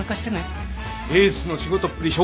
エースの仕事っぷり紹介したいから。